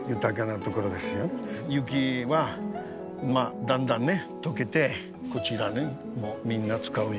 雪はだんだんね解けてこちらでみんな使うよ。